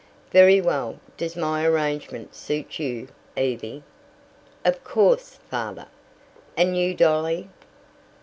"Very well. Does my arrangement suit you, Evie?" "Of course, Father." "And you, Dolly?"